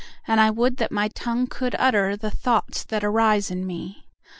And I would that my tongue could utterThe thoughts that arise in me.